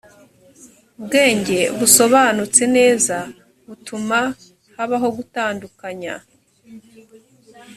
ubwenge busobanutse neza butuma habaho gutandukanya.